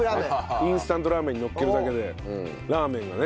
インスタントラーメンにのっけるだけでラーメンがね。